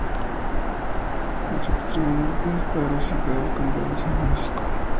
En su extremo norte está la ciudad y el condado de San Francisco.